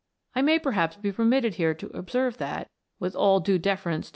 I may, per haps, be permitted here to observe that, with all due deference to M.